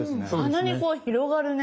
鼻にこう広がるね。